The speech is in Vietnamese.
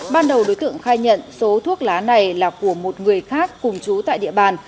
ban đầu đối tượng khai nhận số thuốc lá này là của một người khác cùng chú tại địa bàn